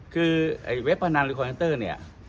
คือเว็บพะนันแล้วก็เรื่องของแก๊งคอร์ดเซ็นเตอร์เนี้ย